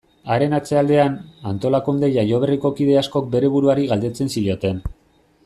Haren atzealdean, antolakunde jaioberriko kide askok bere buruari galdetzen zioten.